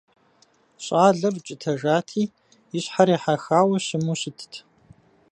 Щӏалэр укӀытэжати, и щхьэр ехьэхауэ щыму щытт.